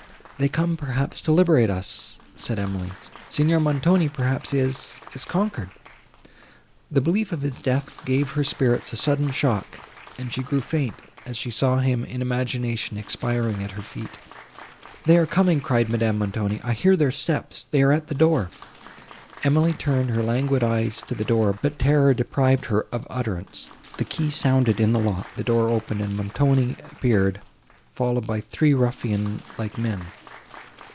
"They come, perhaps, to liberate us," said Emily, "Signor Montoni perhaps is—is conquered." The belief of his death gave her spirits a sudden shock, and she grew faint as she saw him in imagination, expiring at her feet. "They are coming!" cried Madame Montoni—"I hear their steps—they are at the door!" Emily turned her languid eyes to the door, but terror deprived her of utterance. The key sounded in the lock; the door opened, and Montoni appeared, followed by three ruffian like men.